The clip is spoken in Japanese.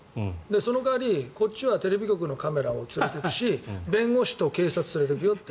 その代わり、こっちはテレビ局のカメラを連れていくし弁護士と警察を連れていくよって。